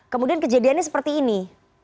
kemudian kejadiannya seperti ini